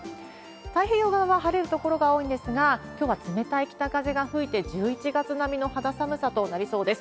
太平洋側は晴れる所が多いんですが、きょうは冷たい北風が吹いて１１月並みの肌寒さとなりそうです。